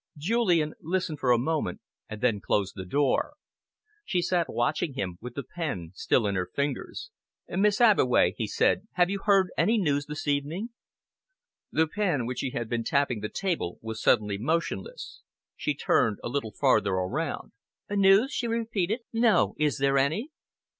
Julian listened for a moment and then closed the door. She sat watching him, with the pen still in her fingers. "Miss Abbeway," he said, "have you heard any news this evening?" The pen with which she had been tapping the table was suddenly motionless. She turned a little farther around. "News?" she repeated. "No! Is there any?"